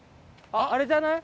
あれじゃない？